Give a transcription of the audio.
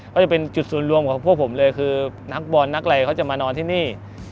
ก็จะเป็นจุดศูนย์รวมของพวกผมเลยคือนักบอลนักอะไรเขาจะมานอนที่นี่